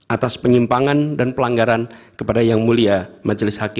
atas penyimpangan dan pelanggaran kepada yang mulia majelis hakim